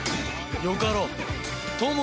よかろう。